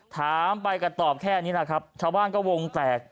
ถามไปก็ตอบแค่นี้แหละครับชาวบ้านก็วงแตก